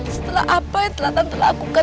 setelah apa yang telah tante lakukan